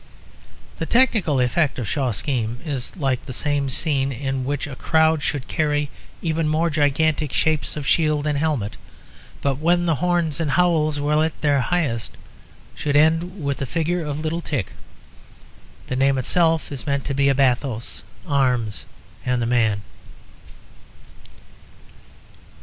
The technical effect of Shaw's scheme is like the same scene, in which a crowd should carry even more gigantic shapes of shield and helmet, but when the horns and howls were at their highest, should end with the figure of Little Tich. The name itself is meant to be a bathos; arms and the man.